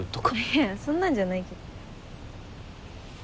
いやそんなんじゃないけど。